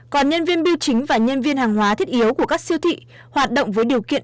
còn nhân viên biêu chính và nhân viên hàng hóa thiết yếu của các siêu thị hoạt động với điều kiện